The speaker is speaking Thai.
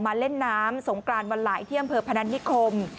เล่นน้ำสงกรานวันหลายที่อำเภอพนันนิคม